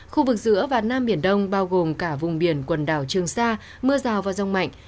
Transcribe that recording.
khu vực giữa và nam biển đông bao gồm cả vùng biển quần đảo trường sa mưa rào và rông mạnh